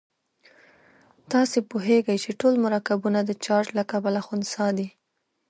تاسې پوهیږئ چې ټول مرکبونه د چارج له کبله خنثی دي.